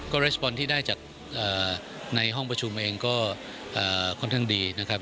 เรสบอลที่ได้จากในห้องประชุมเองก็ค่อนข้างดีนะครับ